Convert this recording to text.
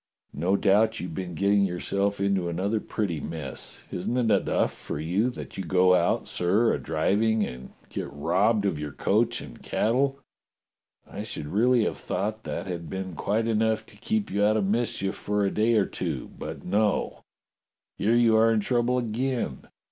No doubt you've been getting yourself into another pretty mess. Isn't it enough for you that you go out, sir, a driving 256 DOCTOR SYN and get robbed of your coach and cattle? I should really have thought that had been quite enough to keep you out of mischief for a day or two. But no! Here you are in trouble again.